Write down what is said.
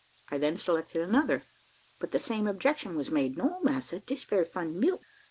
I then selected another, but the same objection was made "No, massa, dis very fine milk.